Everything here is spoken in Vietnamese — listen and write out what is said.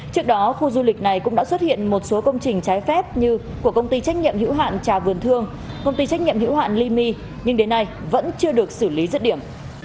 trước đó khu du lịch này cũng đã xuất hiện một số công trình trái phép như của công ty trách nhiệm hữu hạn trà vườn thương công ty trách nhiệm hữu hạn ly my nhưng đến nay vẫn chưa được xử lý rất điểm